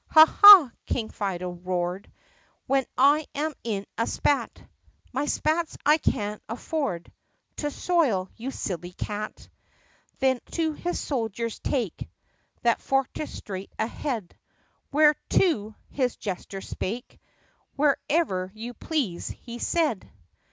"Ha ! ha !" King Fido roared, "When I am in a spat My spats I can afford To soil, you silly cat !" Then to his soldiers, "Take That fortress straight ahead!" "Where to*?" his jester spake. "Wherever you please !" he said.